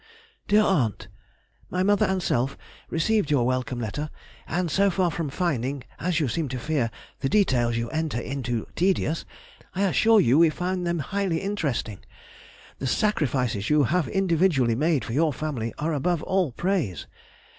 DEAR AUNT,— My mother and self received your welcome letter, and so far from finding, as you seem to fear, the details you enter into tedious, I assure you we found them highly interesting. The sacrifices you have individually made for your family are above all praise.